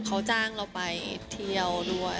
เขาจ้างเราไปเที่ยวด้วย